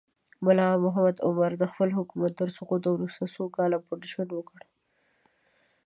ملا محمد عمر د خپل حکومت تر سقوط وروسته څو کاله پټ ژوند وکړ.